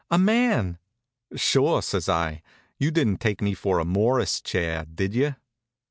A man!" "Sure," says I, "you didn't take me for a Morris chair, did you?"